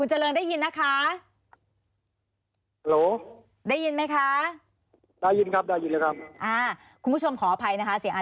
โหลดังหน่อยครับผม